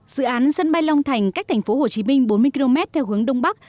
dự án sân bay long thành cách thành phố hồ chí minh bốn mươi km theo hướng đông bắc